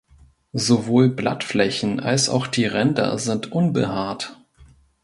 Sowohl Blattflächen als auch die Ränder sind unbehaart.